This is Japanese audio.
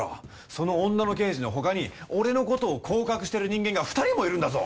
その女の刑事の他に俺の事を行確してる人間が２人もいるんだぞ！